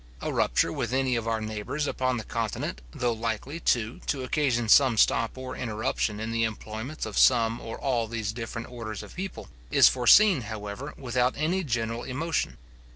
A rupture with any of our neighbours upon the continent, though likely, too, to occasion some stop or interruption in the employments of some of all these different orders of people, is foreseen, however, without any such general emotion.